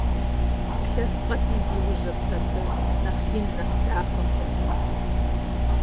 Илъэс къэси зиужьырт абы – нэхъ ин, нэхъ дахэ хъурт.